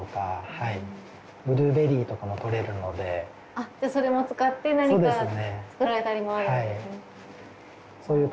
あっそれも使って何か作られたりもあるんですね。